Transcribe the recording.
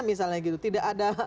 misalnya gitu tidak ada